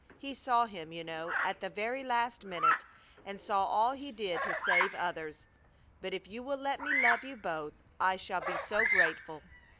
He saw him, you know, at the very last minute, and saw all he did to save others. But if you will let me love you both I shall be so grateful.